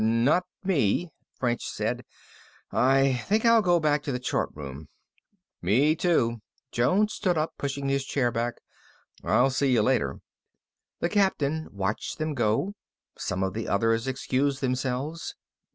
"Not me," French said. "I think I'll go back to the chart room." "Me, too." Jones stood up, pushing his chair back. "I'll see you later." The Captain watched them go. Some of the others excused themselves.